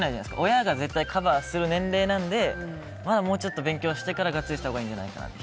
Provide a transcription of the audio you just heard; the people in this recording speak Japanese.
親が絶対カバーする年齢なのでまだもうちょっと勉強してからしたほうがいいんじゃないかって。